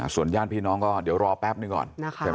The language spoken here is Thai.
ส่วนย่านพี่น้องก็เดี๋ยวรอแป๊บหนึ่งก่อน